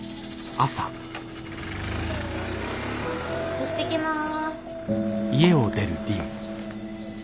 行ってきます。